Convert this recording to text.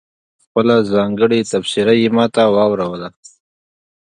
خپله ځانګړې تبصره یې ماته واوروله.